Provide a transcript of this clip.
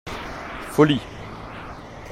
Folie.